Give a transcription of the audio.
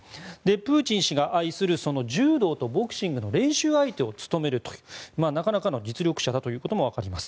プーチン氏が愛する柔道とボクシングの練習相手を務めるというなかなかの実力者だということもわかります。